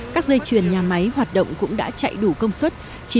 các dây chuyền nhà máy hoạt động cũng đã chạy đủ công suất